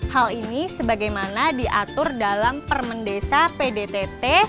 hal ini sebagaimana diatur dalam permendesa pdtt